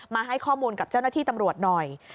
มาให้ข้อมูลกับเจ้าหน้าที่ตำรวจหน่อย